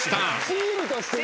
チームとして。